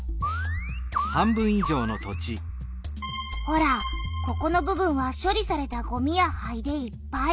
ほらここの部分は処理されたごみや灰でいっぱい。